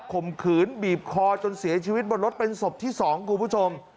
ข่มขืนบีบคอจนเสียชีวิตบนรถเป็นศพที่๒คุณผู้ชม